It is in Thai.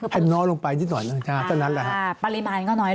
ให้น้อยลงไปนิดหน่อยนะครับก็นั้นแหละครับปริมาณก็น้อยลง